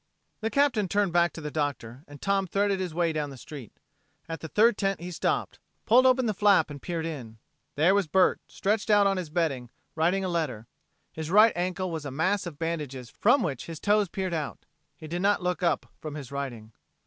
The Captain turned back to the doctor, and Tom threaded his way down the street. At the third tent he stopped, pulled open the flap and peered in. There was Bert, stretched out on his bedding, writing a letter. His right ankle was a mass of bandages from which his toes peered out. He did not look up from his writing.